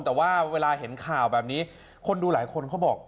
แต่ว่าเวลาเห็นข่าวแบบนี้คนดูหลายคนเขาบอก